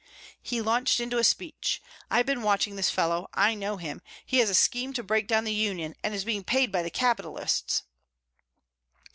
He launched into a speech. "I have been watching this fellow, I know him. He has a scheme to break down the union and is being paid by the capitalists."